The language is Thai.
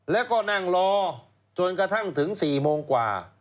แล้วก็นั่งรอจนกระทั่งถึง๔โมงกว่า